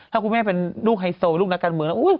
ถ้าคุณแม่เป็นลูกไฮโซลูกนักการเมืองแล้ว